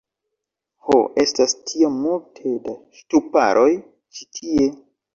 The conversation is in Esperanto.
Ho, estas tiom multe da ŝtuparoj ĉi tie